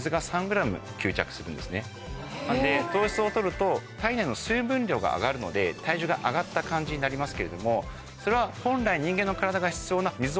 なので糖質を取ると体内の水分量が上がるので体重が上がった感じになりますけれどもそれは本来人間の。